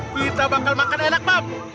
kita bakal makan enak pak